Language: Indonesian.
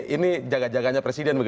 ini jaga jaganya presiden